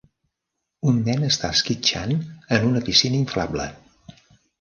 Un nen està esquitxant en una piscina inflable.